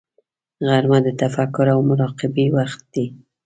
غرمه د تفکر او مراقبې وخت دی